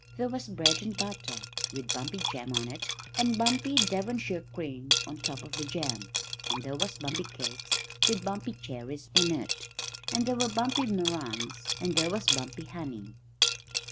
There was bread and butter with bumpy jam on it and bumpy Devonshire cream on the top of the jam, and there was bumpy cake with bumpy cherries in it, and there were bumpy meringues, and there was bumpy honey.